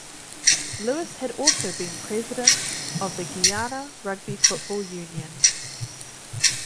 Lewis had also been president of the Guyana Rugby Football Union.